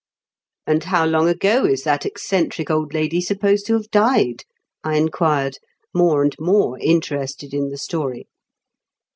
"And how long ago is that eccentric old lady supposed to have died?" I inquired, more and more interested in the story.